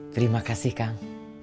terima kasih kang